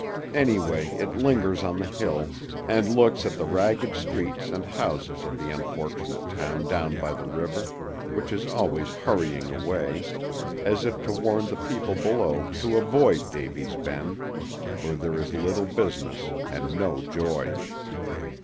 Anyway, it lingers on the hill, and looks at the ragged streets and houses of the unfortunate town down by the river, which is always hurrying away, as if to warn the people below to avoid Davy's Bend, where there is little business, and no joy.